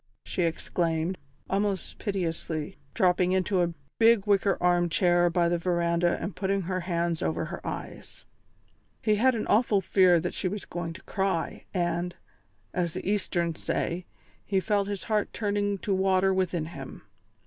she exclaimed, almost piteously, dropping into a big wicker armchair by the verandah and putting her hands over her eyes. He had an awful fear that she was going to cry, and, as the Easterns say, he felt his heart turning to water within him.